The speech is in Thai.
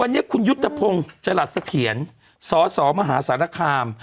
วันนี้คุณยุทธพงศ์จรัสเสถียรสสมหาสารคาม